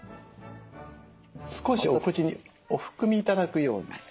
少しお口にお含み頂くように。